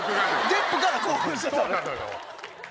デップから興奮してた。